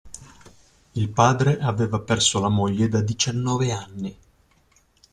Il padre aveva perso la moglie da diciannove anni.